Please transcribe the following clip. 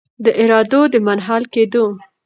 د اردو د منحل کیدو